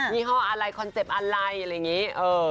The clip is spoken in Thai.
ี่ห้ออะไรคอนเซ็ปต์อะไรอะไรอย่างนี้